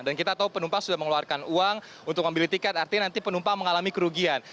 dan kita tahu penumpang sudah mengeluarkan uang untuk membeli tiket artinya nanti penumpang mengalami kerugian